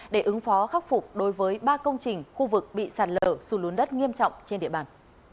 để ứng phó khắc phục đối với ba công trình khu vực bị sạt lở xù lún đất nghiêm trọng trên địa bàn